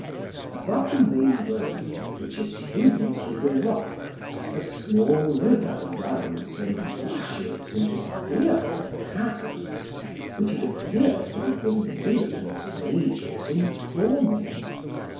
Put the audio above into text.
Above the main road, which is hewn through the rock, a small river runs and rushes into fearful chasms, which it appears to have been millions of ages in forming.